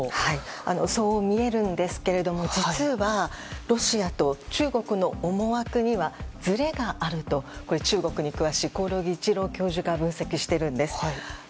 そう見えるんですけれども実はロシアと中国の思惑には、ずれがあると中国に詳しい興梠一郎教授が分析しているんです。